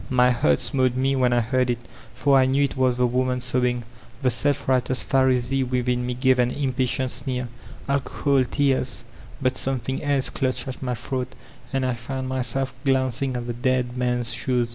My heart smote me when I heard it, for I knew it was the woman sobbing. The self righteous Pharisee within me gave an impatient sneer: ''Alcohol tears!" But something else clutched at my throat, and I found mjrself glancing at the dead man*s shoes.